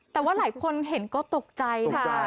แต่ว่าหลายคนเห็นก็ตกใจค่ะ